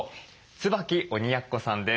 椿鬼奴さんです。